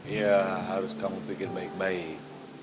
iya harus kamu pikir baik baik